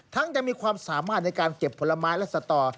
ยังมีความสามารถในการเก็บผลไม้และสตอ